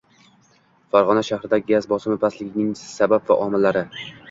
Farg‘ona shahrida gaz bosimi pastligining sabab va omillari